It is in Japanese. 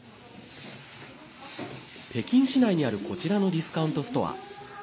北京市内にあるこちらのディスカウントストア。